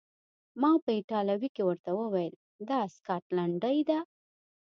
ما په ایټالوي کې ورته وویل: دا سکاټلنډۍ ده.